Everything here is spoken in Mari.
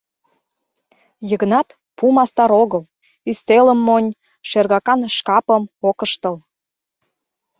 Йыгнат пу мастар огыл, ӱстелым монь, шергакан шкапым ок ыштыл.